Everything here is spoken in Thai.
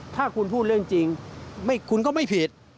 ถ้าคุณพูดเรื่องจริงคุณก็ไม่ผิด